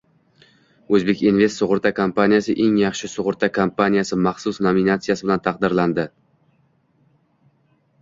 O‘zbekinvest sug‘urta kompaniyasi Eng yaxshi sug‘urta kompaniyasi maxsus nominatsiyasi bilan taqdirlandi